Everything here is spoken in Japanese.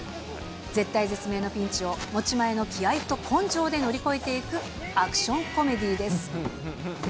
絶体絶命のピンチを、持ち前の気合いと根性で乗り越えていくアクションコメディーです。